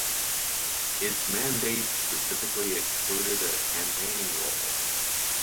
Its mandate specifically excluded a campaigning role.